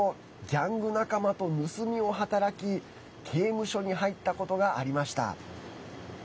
ギャング仲間と盗みを働き刑務所に入ったことがありました。